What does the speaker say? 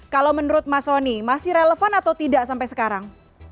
kalau menurut mas soni masih relevan atau tidak sampai sekarang